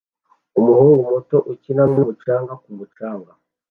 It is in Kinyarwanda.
Umuhungu muto ukina n'umucanga ku mucanga